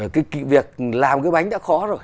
cái việc làm cái bánh đã khó rồi